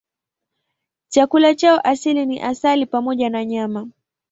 Chakula chao asili ni asali pamoja na nyama.